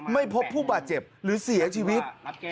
ไม่พบผู้บาดเจ็บหรือเสียชีวิต